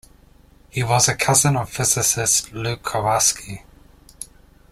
He was a cousin of physicist Lew Kowarski.